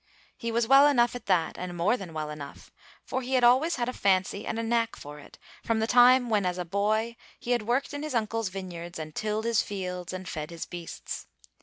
He was well enough at that, and more than well enough, for he had always had a fancy and a knack for it from the time when as a boy he had worked in his uncle's vineyards and tilled his fields and fed his beasts.